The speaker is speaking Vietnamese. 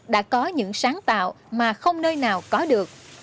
đã có những sáng tạo mà không nơi nào có được